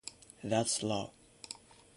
That’s law.